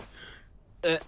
えっ？